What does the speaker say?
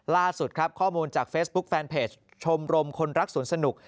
ล่าสุดครับข้อมูลจากเฟซบุ๊คแฟนเพจชมรมคนรักสวนสนุก